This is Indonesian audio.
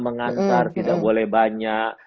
mengantar tidak boleh banyak